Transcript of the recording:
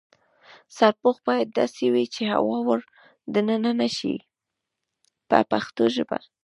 سرپوښ باید داسې وي چې هوا ور دننه نشي په پښتو ژبه.